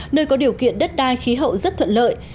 nơi có điều kiện đất đai khí hậu rất thuận lợi